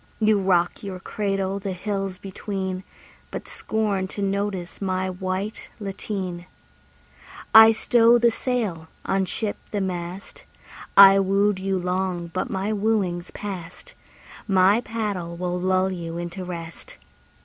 You rock your cradle the hills between, But scorn to notice my white lateen. I stow the sail, unship the mast: I wooed you long but my wooing's past; My paddle will lull you into rest.